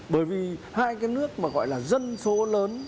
bởi vì hai cái nước mà gọi là dân số lớn